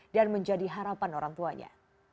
dan menjadi harapan orang tuanya